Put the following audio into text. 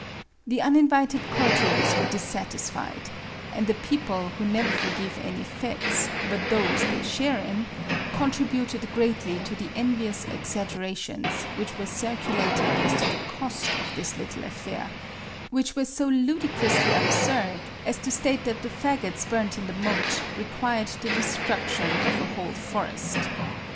The uninvited courtiers were dissatisfied ; and the people, who never forgive any fetes but those they share in, contributed greatly to the envious exaggerations which were circulated as to the cost of this little affair, which were so ludicrously absurd, as to state that the fagots burnt in the moat required the destruction of a whole forest.